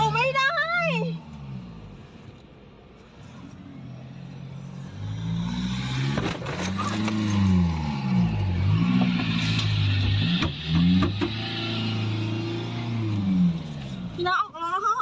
พี่น้องออกแล้ว